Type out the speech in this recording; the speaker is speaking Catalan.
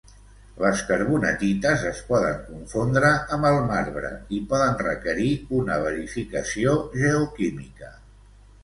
Les carbonatites es poden confondre amb el marbre i poden requerir una verificació geoquímica.